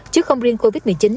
chứ không riêng covid một mươi chín